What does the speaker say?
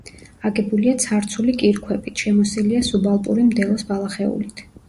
აგებულია ცარცული კირქვებით; შემოსილია სუბალპური მდელოს ბალახეულით.